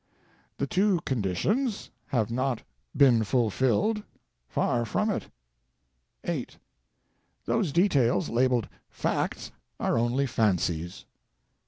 The "two conditions" have not "been fulfilled" — far from it. (8.) Those details labeled "facts" are only fancies.